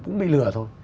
cũng bị lừa thôi